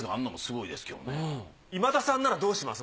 今田さんならどうします？